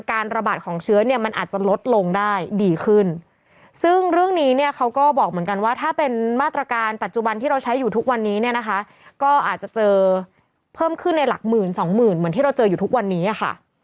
คือในหลักหมื่นสองหมื่นเหมือนที่เราเจออยู่ทุกวันนี้ค่ะ